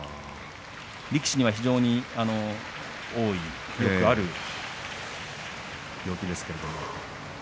力士には非常に多いよくある病気です。